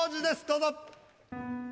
どうぞ。